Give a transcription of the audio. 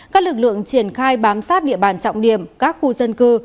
các lực lượng triển khai bám sát địa bàn trọng điểm các khu dân cư